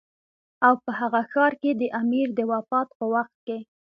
او په هغه ښار کې د امیر د وفات په وخت کې.